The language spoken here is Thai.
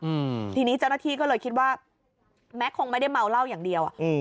อืมทีนี้เจ้าหน้าที่ก็เลยคิดว่าแม็กซคงไม่ได้เมาเหล้าอย่างเดียวอ่ะอืม